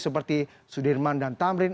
seperti sudirman dan tamrin